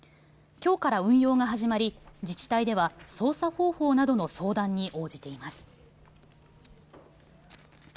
きょうから運用が始まり自治体では操作方法などの相談に応じています。